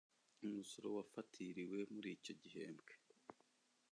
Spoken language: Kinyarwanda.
umusoro wafatiriwe muri icyo gihembwe